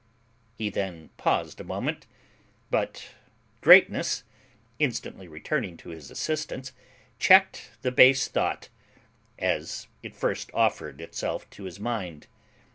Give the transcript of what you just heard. He then paused a moment; but greatness, instantly returning to his assistance, checked the base thought, as it first offered itself to his mind.